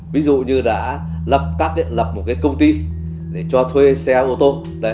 ví dụ như đã lập một công ty để cho thuê xe ô tô